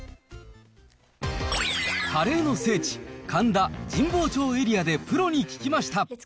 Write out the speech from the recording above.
カレーの聖地、神田、神保町エリアでプロに聞きました。